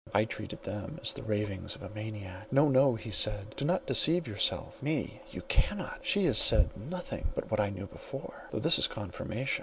I treated them as the ravings of a maniac. "No, no," he said, "do not deceive yourself,—me you cannot. She has said nothing but what I knew before—though this is confirmation.